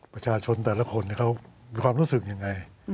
ประชาชนแต่ละคนเขามีความรู้สึกยังไง